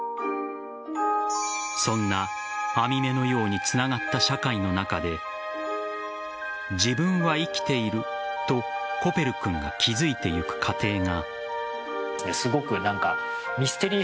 そんな網目のようにつながった社会の中で自分は生きているとコペル君が気付いてゆく過程が。